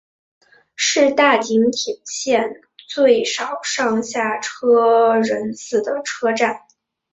是大井町线最少上下车人次的车站。